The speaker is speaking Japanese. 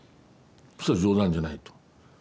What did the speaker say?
そしたら「冗談じゃない」と。